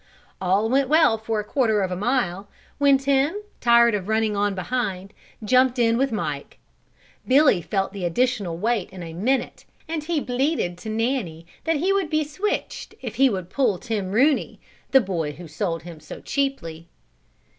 All went well for a quarter of a mile, when Tim, tired of running on behind, jumped in with Mike. Billy felt the additional weight in a minute and he bleated to Nanny that he would be switched if he would pull Tim Rooney, the boy who sold him so cheaply.